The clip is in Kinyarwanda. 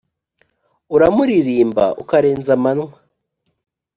uramuririmba ukarenza amanywa